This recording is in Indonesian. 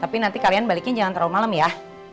tapi nanti kalian baliknya jangan terlalu malam ya